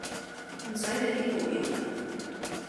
唔洗理啲無聊人